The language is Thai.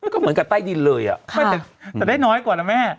ก็เหมือนกับใต้ดินเลยแต่ได้น้อยกว่านะแม่